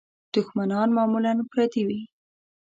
دوښمنان معمولاً پردي وي.